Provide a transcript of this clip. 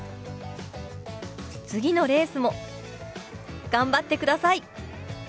次のレースも頑張ってください！